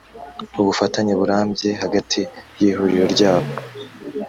ubufatanye burambye hagati y ihuriro ryabo